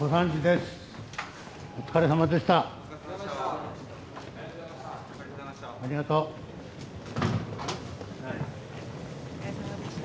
お疲れさまでした。